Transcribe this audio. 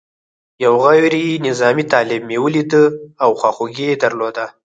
یو غیر نظامي طالب مې ولید او خواخوږي یې درلوده.